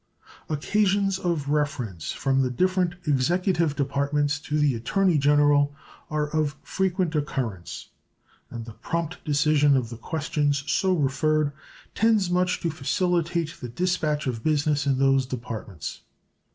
Occasions of reference from the different Executive Departments to the Attorney General are of frequent occurrence, and the prompt decision of the questions so referred tends much to facilitate the dispatch of business in those Departments.